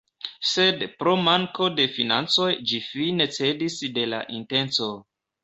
Sed pro manko de financoj ĝi fine cedis de la intenco.